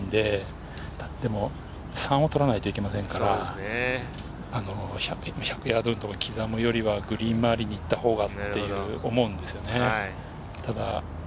そんなに浮いてもいないので、それでも３を取らないといけませんから、１００ヤードとか刻むよりはグリーン周りに行ったほうがと思うんですよね。